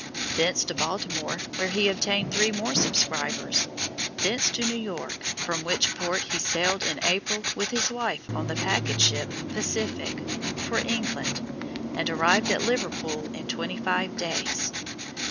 Thence to Baltimore where he obtained three more subscribers, thence to New York from which port he sailed in April with his wife on the packet ship Pacific, for England, and arrived at Liverpool in twenty five days.